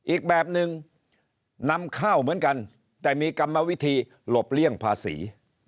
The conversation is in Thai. อีกแบบหนึ่งนำข้าวเหมือนกันแต่มีกรรมวิธีหลบเลี่ยงภาษี